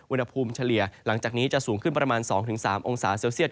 เฉลี่ยหลังจากนี้จะสูงขึ้นประมาณ๒๓องศาเซลเซียต